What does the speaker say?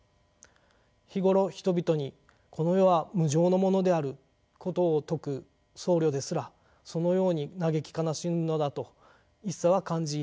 日頃人々にこの世は無常のものであることを説く僧侶ですらそのように嘆き悲しむのだと一茶は感じ入ります。